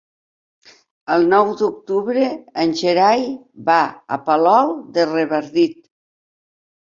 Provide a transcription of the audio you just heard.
El nou d'octubre en Gerai va a Palol de Revardit.